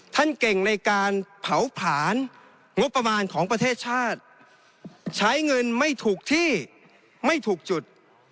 ท่านเก่งในการเผาผลาญงบประมาณของประเทศชาติใช้เงินไม่ถูกที่ไม่ถูกจุด